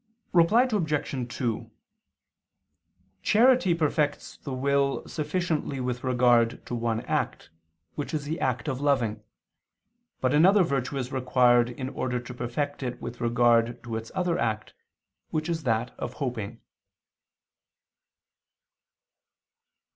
Reply Obj. 2: Charity perfects the will sufficiently with regard to one act, which is the act of loving: but another virtue is required in order to perfect it with regard to its other act, which is that of hoping.